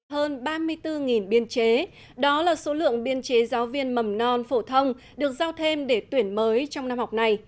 hơn ba mươi bốn biên chế đó là số lượng biên chế giáo viên mầm non phổ thông được giao thêm để tuyển mới trong năm học này